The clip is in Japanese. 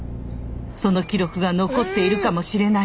その記録が残っているかもしれない。